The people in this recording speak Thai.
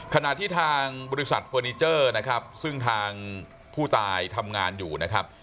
ขณะที่ทางบริษัทเฟอร์นิเจอร์นะครับซึ่งทางผู้ตายทำงานอยู่นะครับ